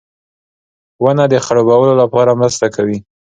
• ونه د خړوبولو لپاره مرسته کوي.